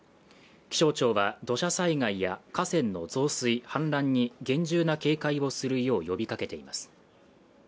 気象庁は土砂災害や河川の増水氾濫に厳重な警戒をするよう呼びかけています